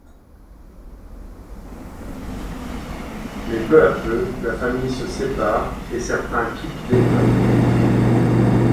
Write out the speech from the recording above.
Mais peu à peu la famille se sépare et certains quittent l'État.